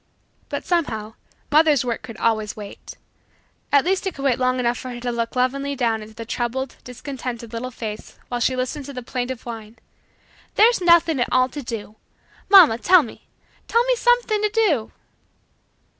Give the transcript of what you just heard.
But somehow mother's work could always wait. At least it could wait long enough for her to look lovingly down into the troubled, discontented, little face while she listened to the plaintive whine: "There's nothin' at all to do. Mamma, tell me tell me something to do."